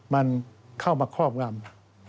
มันเข้ามาครอบงำ